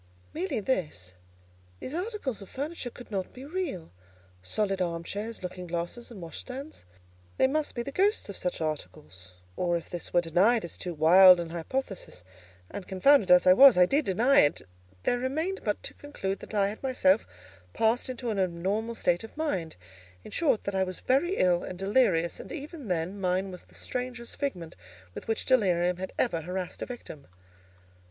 Merely this—These articles of furniture could not be real, solid arm chairs, looking glasses, and washstands—they must be the ghosts of such articles; or, if this were denied as too wild an hypothesis—and, confounded as I was, I did deny it—there remained but to conclude that I had myself passed into an abnormal state of mind; in short, that I was very ill and delirious: and even then, mine was the strangest figment with which delirium had ever harassed a victim.